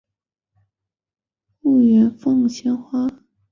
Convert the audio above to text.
婺源凤仙花为凤仙花科凤仙花属下的一个种。